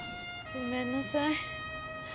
ごめんなさい。